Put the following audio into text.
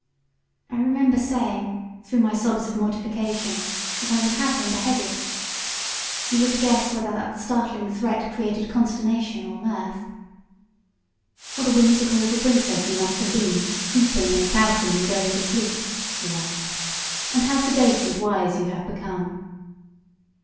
I remember saying, through my sobs of mortification, that I would have him beheaded. You are to guess whether that startling threat created consternation or mirth." "What a whimsical little princess you must have been, weeping and pouting and going to sleep," he laughed. "And how sedate and wise you have become."